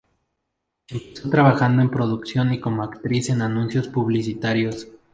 Empezó trabajando en producción y como actriz en anuncios publicitarios.